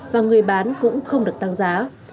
và người bán cũng không được tăng giá